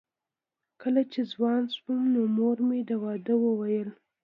کله چې ځوان شوم نو مور مې د واده وویل